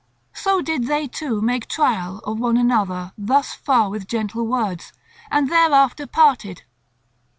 So did they two make trial of one another thus far with gentle words; and thereafter parted.